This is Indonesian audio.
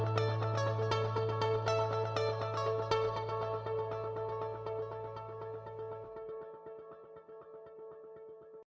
salah satunya melalui kegiatan bi peduli mudik fitra bersama rupiah